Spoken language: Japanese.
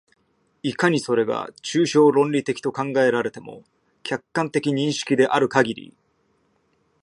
いかにそれが抽象論理的と考えられても、客観的認識であるかぎり、